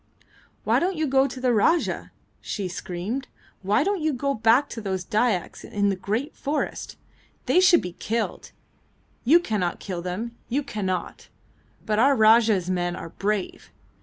"Why don't you go to the Rajah?" she screamed. "Why do you go back to those Dyaks in the great forest? They should be killed. You cannot kill them, you cannot; but our Rajah's men are brave!